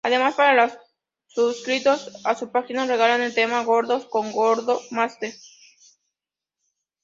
Además, para los suscritos a su página, regalan el tema "Gordos", con Gordo Master.